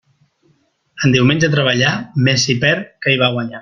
En diumenge treballar, més s'hi perd que hi va a guanyar.